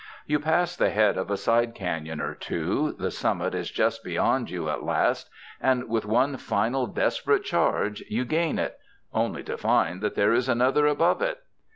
You pass the head of a side canon or two, the summit is just beyond you at last, and with one final desperate charge you gain it — only to find that there is another above it!